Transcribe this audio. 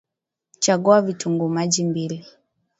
Chagua vitunguu maji mbili